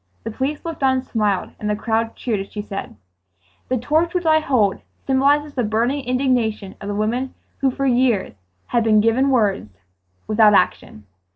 The police looked on and smiled, and the crowd cheered as she said: "The torch which I hold symbolizes the burning indignation of the women who for years have been given words without action